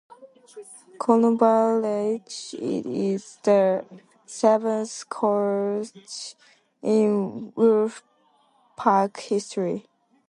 Knoblauch is the seventh coach in Wolf Pack history.